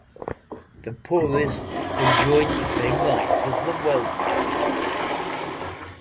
The poorest enjoyed the same rights as the wealthiest magnate.